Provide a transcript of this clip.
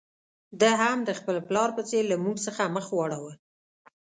ده هم د خپل پلار په څېر له موږ څخه مخ واړاوه.